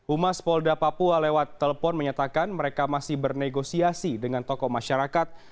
umas polda papua lewat telepon menyatakan mereka masih bernegosiasi dengan tokoh masyarakat